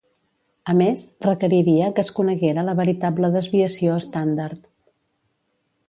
A més, requeriria que es coneguera la veritable desviació estàndard.